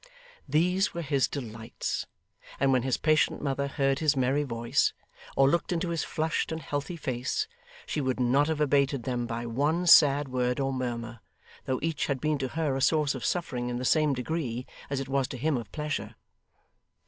These were his delights; and when his patient mother heard his merry voice, or looked into his flushed and healthy face, she would not have abated them by one sad word or murmur, though each had been to her a source of suffering in the same degree as it was to him of pleasure.